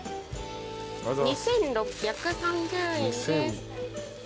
２，６３０円です。